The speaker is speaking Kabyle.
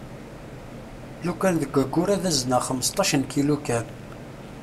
Lukan deg ayyur ad azneɣ xmesṭac n kilu kan.